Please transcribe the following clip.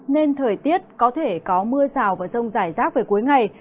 nên thời tiết có thể có mưa rào và rông rải rác về cuối ngày